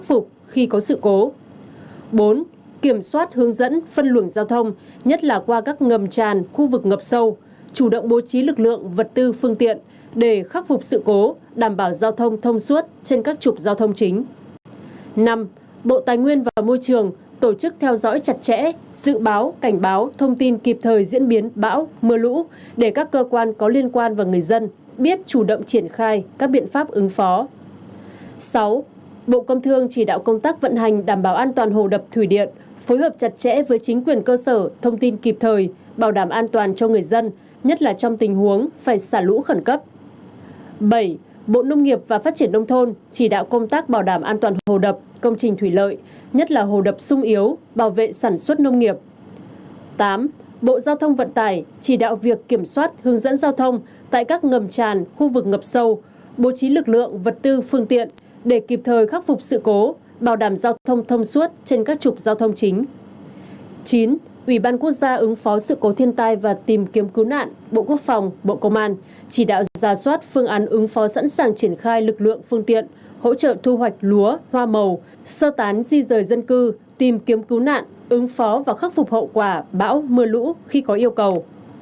chín ủy ban quốc gia ứng phó sự cố thiên tai và tìm kiếm cứu nạn bộ quốc phòng bộ công an chỉ đạo ra soát phương án ứng phó sẵn sàng triển khai lực lượng phương tiện hỗ trợ thu hoạch lúa hoa màu sơ tán di rời dân cư tìm kiếm cứu nạn ứng phó và khắc phục hậu quả bão mưa lũ khi có yêu cầu